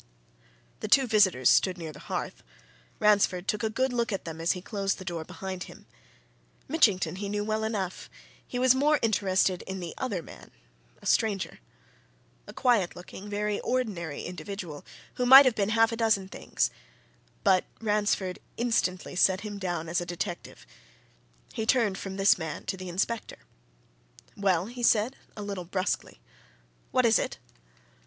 The two visitors stood near the hearth Ransford took a good look at them as he closed the door behind him. Mitchington he knew well enough; he was more interested in the other man, a stranger. A quiet looking, very ordinary individual, who might have been half a dozen things but Ransford instantly set him down as a detective. He turned from this man to the inspector. "Well?" he said, a little brusquely. "What is it?"